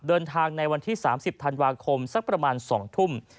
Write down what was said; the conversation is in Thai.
ในวันที่๓๐ธันวาคมสักประมาณ๒ทุ่ม